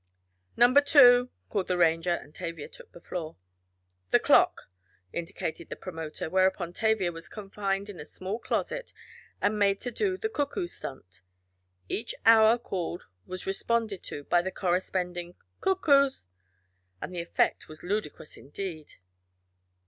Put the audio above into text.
"Number two," called the Ranger, and Tavia took the floor. "The clock," indicated the Promoter, whereupon Tavia was confined in a small closet and made to do the "Cuckoo stunt." Each hour called was responded to by the corresponding "cuckoos," and the effect was ludicrous indeed.